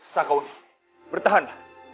sekau ini bertahan